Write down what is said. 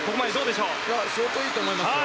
相当いいと思いますよ。